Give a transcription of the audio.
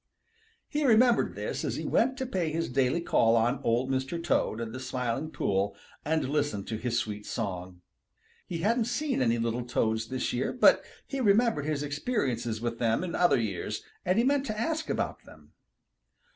He remembered this as he went to pay his daily call on Old Mr. Toad in the Smiling Pool and listen to his sweet song. He hadn't seen any little Toads this year, but he remembered his experiences with them in other years, and he meant to ask about them.